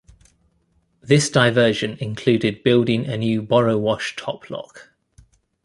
This diversion included building a new Borrowash Top Lock.